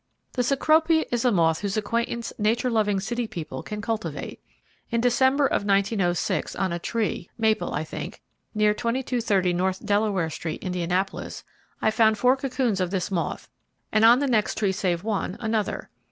The Cecropia is a moth whose acquaintance nature loving city people can cultivate. In December of 1906, on a tree, maple I think, near No. 2230 North Delaware Street, Indianapolis, I found four cocoons of this moth, and on the next tree, save one, another.